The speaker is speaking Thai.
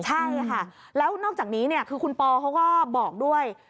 ใช่ค่ะแล้วนอกจากนี้คือคุณปอเขาก็บอกด้วย